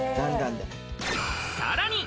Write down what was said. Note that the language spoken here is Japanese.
さらに。